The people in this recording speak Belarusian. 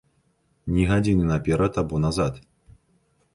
Ні гадзіны наперад або назад.